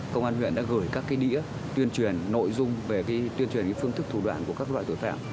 công an huyện đã gửi các đĩa tuyên truyền nội dung về tuyên truyền phương thức thủ đoạn của các loại tội phạm